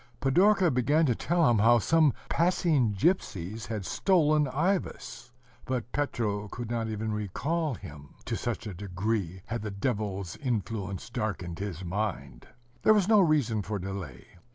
Pidorka began to tell him how some passing gypsies had stolen Ivas; but Petro could not even recall him to such a degree had the Devil's influence darkened his mind! There was no reason for delay.